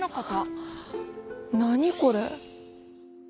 何これ？